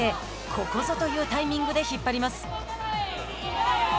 ここぞというタイミングで引っ張ります。